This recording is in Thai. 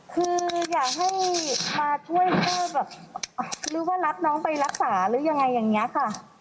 คืออยากให้มาช่วยพ่อแบบหรือว่ารับน้องไปรักษาหรือยังไงอย่างนี้ค่ะ